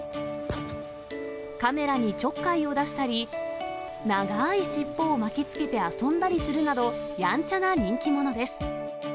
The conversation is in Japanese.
カメラにちょっかいを出したり、長い尻尾を巻きつけて遊んだりするなど、やんちゃな人気者です。